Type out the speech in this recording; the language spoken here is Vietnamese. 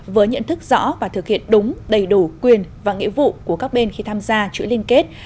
với nhận thức rõ và thực hiện đúng đầy đủ quyền và nghĩa vụ của các bên khi tham gia chuỗi liên kết